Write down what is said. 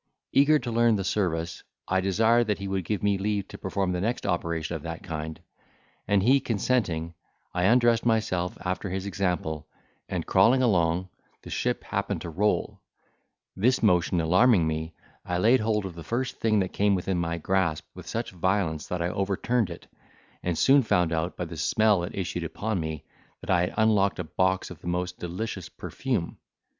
Eager to learn the service, I desired he would give me leave to perform the next operation of that kind; and he consenting, I undressed myself after his example, and crawling along, the ship happened to roll: this motion alarming me, I laid hold of the first thing that came within my grasp with such violence, that I overturned it, and soon found, by the smell that issued upon me, that I had unlocked a box of the most delicious perfume.